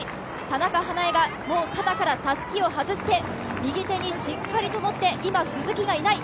田中華絵が肩からたすきを外して右手にしっかりと持って今、鈴木がいない！